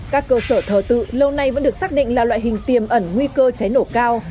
các cơ sở thờ tự lâu nay vẫn được xác định là loại hình tiềm ẩn nguy cơ cháy nổ cao